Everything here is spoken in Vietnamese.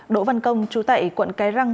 đỗ văn công trú tại quận cái răng